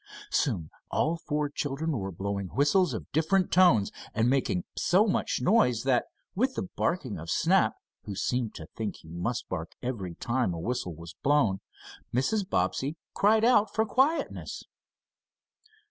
Soon all four children were blowing whistles of different tones, and making so much noise that, with the barking of Snap, who seemed to think he must bark every time a whistle was blown, Mrs. Bobbsey cried out for quietness.